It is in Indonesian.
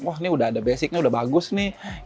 wah ini udah ada basicnya udah bagus nih